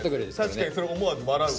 確かにそれ思わず笑うわ。